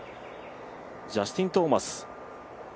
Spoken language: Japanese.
ジャスティン・トーマス。